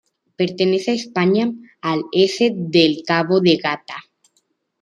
Pertenece a España, al S del Cabo de Gata.